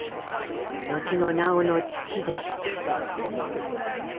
後の南朋の父でした。